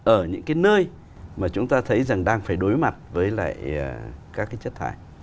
ở những cái nơi mà chúng ta thấy rằng đang phải đối mặt với lại các cái chất thải